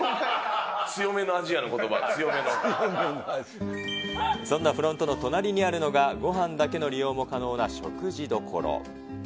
強めのアジアのことば、そんなフロントの隣にあるのが、ごはんだけの利用も可能な食事どころ。